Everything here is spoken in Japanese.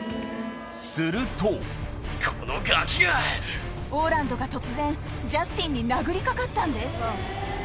するとオーランドが突然ジャスティンに殴りかかったんです。